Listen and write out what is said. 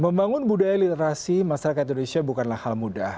membangun budaya literasi masyarakat indonesia bukanlah hal mudah